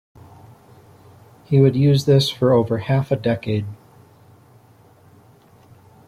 He would use this for over half a decade.